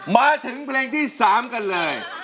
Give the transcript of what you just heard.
มาถึงเพลงที่๓กันเลย